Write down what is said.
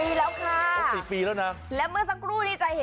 มอลำคลายเสียงมาแล้วมอลำคลายเสียงมาแล้ว